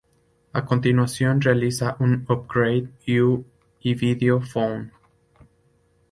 A continuación, realiza Upgrade U y Video Phone.